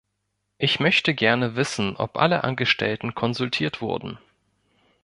Ich möchte gerne wissen, ob alle Angestellten konsultiert wurden.